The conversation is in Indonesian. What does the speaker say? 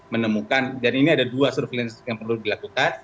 menemukan dan ini ada dua surveillance yang perlu dilakukan